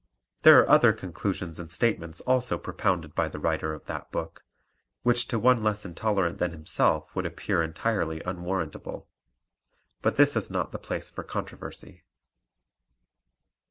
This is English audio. There are other conclusions and statements also propounded by the writer of that book, which to one less intolerant than himself would appear entirely unwarrantable. But this is not the place for controversy.